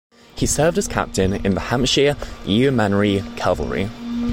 He served as captain in the Hampshire Yeomanry Cavalry.